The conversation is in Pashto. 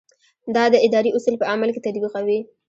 دا د ادارې اصول په عمل کې تطبیقوي.